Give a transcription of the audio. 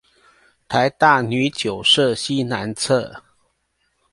臺大女九舍西南側